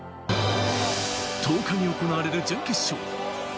１０日に行われる準決勝。